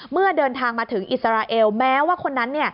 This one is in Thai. เมื่อเดินทางมาถึงอิสราเอลแม้ว่าคนนั้น